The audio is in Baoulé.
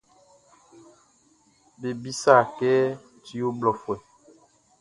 Be bisât kɛ tu ɔ ho blɔfuɛ.